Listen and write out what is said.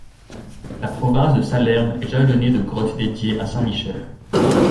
La province de Salerne est jalonnée de grottes dédiées à Saint-Michel.